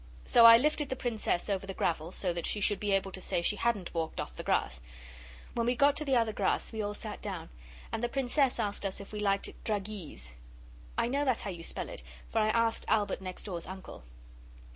So I lifted the Princess over the gravel, so that she should be able to say she hadn't walked off the grass. When we got to the other grass we all sat down, and the Princess asked us if we liked 'dragees' (I know that's how you spell it, for I asked Albert next door's uncle).